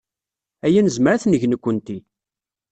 Aya nezmer ad t-neg nekkenti.